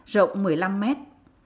rộng một mươi năm mét